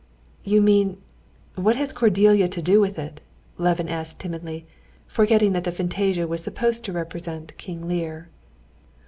"You mean ... what has Cordelia to do with it?" Levin asked timidly, forgetting that the fantasia was supposed to represent King Lear.